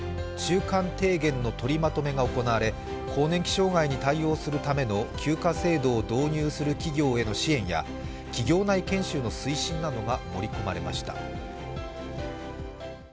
中間提言のとりまとめが行われ更年期障害に対応するための休暇制度を導入する企業への支援や企業内研修の推進などが盛り込まれました。